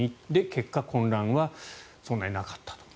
結果、混乱はそんなになかったと。